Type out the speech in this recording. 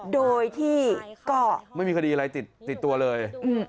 โดยที่ก็ไม่มีคดีอะไรติดตัวเลย